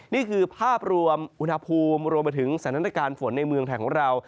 นี่คือภาพรวมอุณหภูมิรวมไปถึงสถานการณ์ฝนในเมืองไทยของเรา